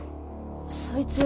そいつ